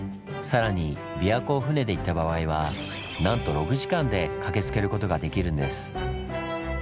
さらに琵琶湖を船で行った場合はなんと６時間で駆けつけることができるんです。